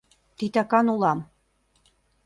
Титакан улам.